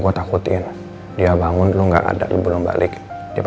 ya udah oke kalau gitu take care siap aman kok